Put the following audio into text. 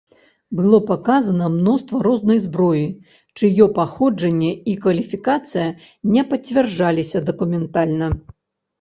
Было паказана мноства рознай зброі, чыё паходжанне і кваліфікацыя не пацвярджаліся дакументальна.